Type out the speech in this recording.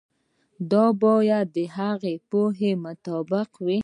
دا باید د هغه د پوهې مطابق وي.